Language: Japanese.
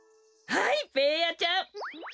はいベーヤちゃん。